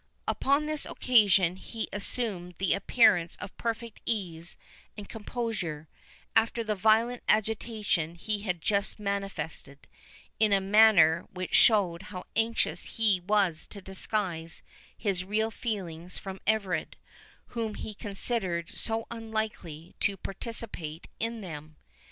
Upon this occasion, he assumed the appearance of perfect ease and composure, after the violent agitation he had just manifested, in a manner which showed how anxious he was to disguise his real feelings from Everard, whom he considered so unlikely to participate in them.